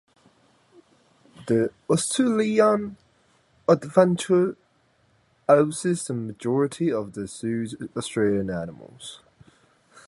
The Australian Adventure houses the majority of the Zoo's Australian animals.